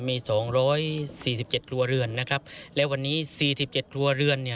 มีสองร้อยสี่สิบเจ็ดครัวเรือนนะครับและวันนี้สี่สิบเจ็ดครัวเรือนเนี่ย